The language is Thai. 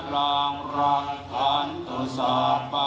จันทโทปันรสโยทา